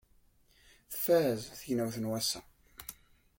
Tfaz tegnewt n wass-a.